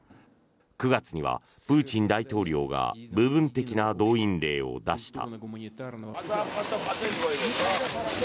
９月にはプーチン大統領が部分的な動員令を出した。